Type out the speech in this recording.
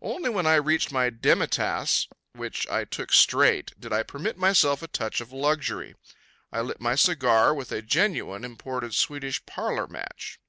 Only when I reached my demi tasse, which I took straight, did I permit myself a touch of luxury. I lit my cigar with a genuine imported Swedish parlor match.